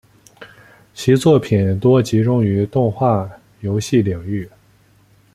其作品多集中于动画游戏领域。